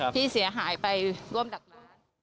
ที่เสียหายไปร่วมดักล้าน